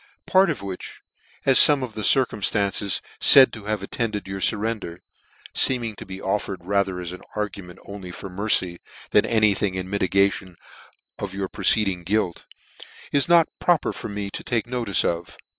tc Part of which, as fome of the circumftances faid to have attended your furrender, (feeming to be offered rather as arguments only for mercy, than any thing in mitigation of your preceding guilt) is not proper for me to take notice of.